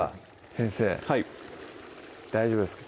先生大丈夫ですか？